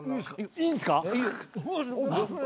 いいんすか！？